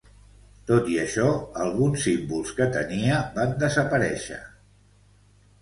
Tot i això alguns símbols que tenia van desaparèixer.